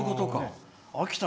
秋田